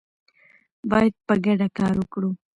باید په ګډه کار وکړو.